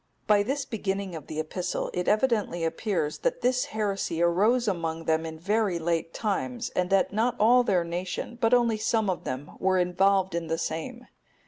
(268) By this beginning of the epistle it evidently appears that this heresy arose among them in very late times, and that not all their nation, but only some of them, were involved in the same.